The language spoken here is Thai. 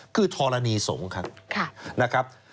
คือธรณีสงฆ์ครับนะครับ